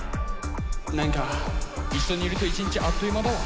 「なんか一緒にいると一日あっという間だわ」。